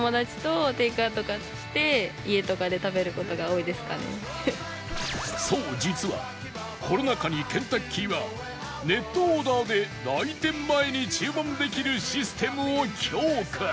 そのそう実はコロナ禍にケンタッキーはネットオーダーで来店前に注文できるシステムを強化